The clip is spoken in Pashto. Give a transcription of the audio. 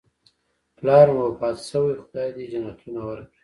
پلار مې وفات شوی، خدای دې جنتونه ورکړي